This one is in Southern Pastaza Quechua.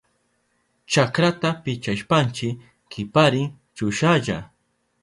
Chakrata pichashpanchi kiparin chushahlla.